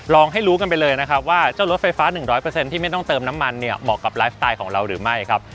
ให้รู้กันไปเลยนะครับว่าเจ้ารถไฟฟ้า๑๐๐ที่ไม่ต้องเติมน้ำมันเนี่ยเหมาะกับไลฟ์สไตล์ของเราหรือไม่ครับ